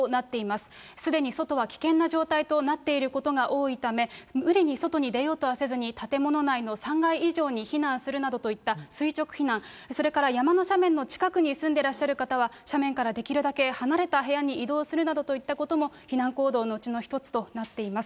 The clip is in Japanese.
すでに外は危険な状態となっていることが多いため、無理に外に出ようとはせずに、建物内の３階以上に避難するなどといった垂直避難、それから山の斜面の近くに住んでらっしゃる方は、斜面からできるだけ離れた部屋に移動するなどといったことも、避難行動のうちの一つとなっています。